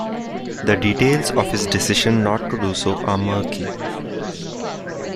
The details of his decision not to do so are murky.